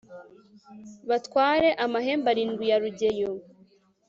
batware amahembe arindwi ya rugeyo